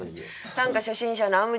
短歌初心者のあむ